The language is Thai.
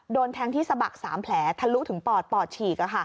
โดนแทงที่สะบัก๓แผลทะลุถึงปอดปอดฉีก